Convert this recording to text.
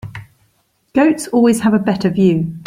Goats always have a better view.